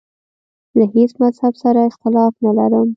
له هیڅ مذهب سره اختلاف نه لرم.